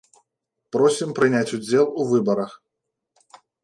Просім прыняць удзел у выбарах!